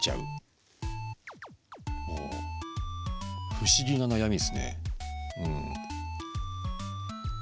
不思議な悩みですね。